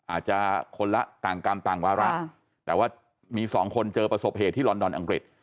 อาจจะคนละต่างกรรมต่างวาระแต่ว่ามีสองคนเจอประสบเหตุที่ลอนดอนอังกฤษ